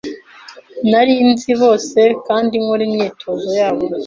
Nari nzi bose kandi nkora imyitozo yabo